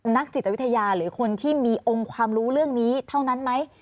นักจิตวิทยาหรือคนที่มีองค์ความรู้เรื่องนี้เท่านั้นไหม